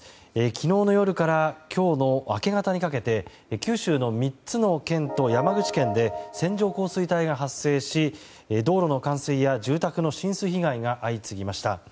昨日の夜から今日の明け方にかけて九州の３つの県と山口県で線状降水帯が発生し道路の冠水や住宅の浸水被害が相次ぎました。